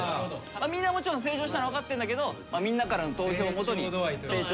みんなもちろん成長したの分かってるんだけどみんなからの投票をもとに。